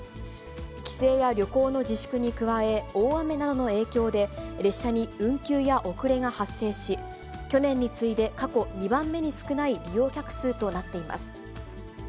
帰省や旅行の自粛に加え、大雨などの影響で列車に運休や遅れが発生し、去年に次いで過去２番目に少ない利用客数となっています。